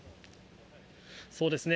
そうですね。